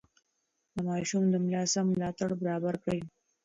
د ماشوم د ملا سم ملاتړ برابر کړئ.